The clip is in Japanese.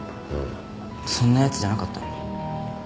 そんなやつじゃなかったのに。